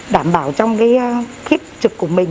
đảm bảo trong cái thiết trực của mình